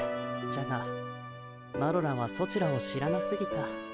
じゃがマロらはソチらを知らなすぎた。